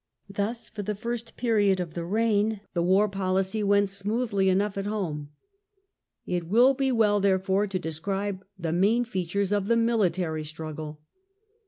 Thus, for the first period of the reign, the war policy went smoothly enough at home. It will be well, therefore, to describe the main features of the military struggle.